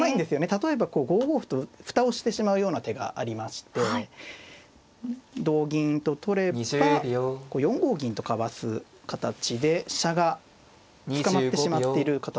例えばこう５五歩と蓋をしてしまうような手がありまして同銀と取れば４五銀とかわす形で飛車が捕まってしまっている形なんですよね。